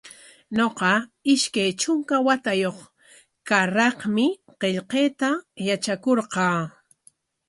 Ñuqa ishkay trunka watayuq karraqmi qillqayta yatrakurqaa.